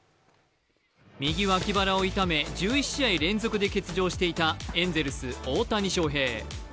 右脇腹を痛め、１１試合連続で欠場していたエンゼルス・大谷翔平。